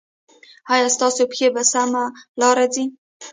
ایا ستاسو پښې په سمه لار ځي؟